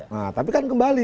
nah tapi kan kembali